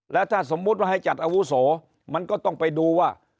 แล้วถ้าสมมุติว่าให้จัดอาวุโสมันก็ต้องไปดูว่า